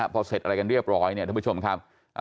พอเสร็จอะไรกันเรียบร้อยทุกผู้ชมครับ